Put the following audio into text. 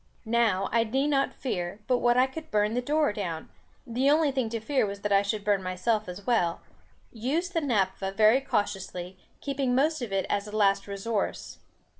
Now I need not fear, but what I could burn the door down; the only thing to fear was that I should burn myself as well, used the naphtha very cautiously, keeping most of it as a last resource.